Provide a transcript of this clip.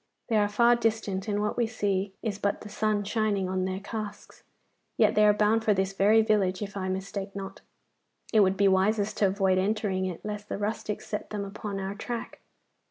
They are far distant, and what we see is but the sun shining on their casques; yet they are bound for this very village, if I mistake not. It would be wisest to avoid entering it, lest the rustics set them upon our track.